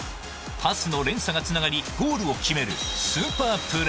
パスの連鎖がつながりゴールを決める